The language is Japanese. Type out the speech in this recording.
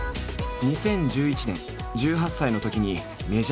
２０１１年１８歳のときにメジャーデビュー。